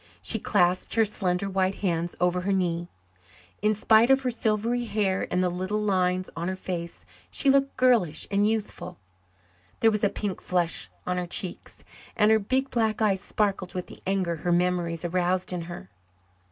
She clasped her slender white hands over her knee. In spite of her silvery hair and the little lines on her face she looked girlish and youthful. There was a pink flush on her cheeks, and her big black eyes sparkled with the anger her memories aroused in her.